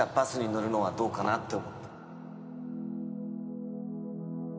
乗るのはどうかなって思って